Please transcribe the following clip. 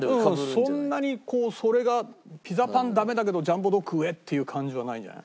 そんなにこうそれがピザパンダメだけどジャンボドック上っていう感じはないんじゃない？